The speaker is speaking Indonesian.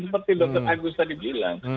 seperti dr agus tadi bilang